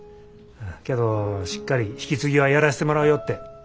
けどしっかり引き継ぎはやらしてもらうよって。